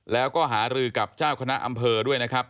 แล้วก็หารือกับเจ้าคณะอำเภอด้วยนะครับ